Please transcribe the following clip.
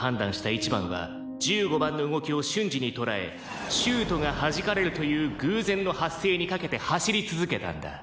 １番は１５番の動きを瞬時に捉えシュートがはじかれるという偶然の発生に懸けて走り続けたんだ」